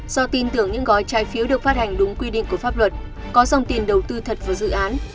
do tin tưởng những gói trái phiếu được phát hành đúng quy định của pháp luật có dòng tiền đầu tư thật vào dự án